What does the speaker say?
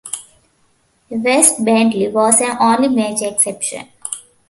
Wes Bentley was the only major exception.